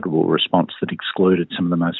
beberapa orang yang paling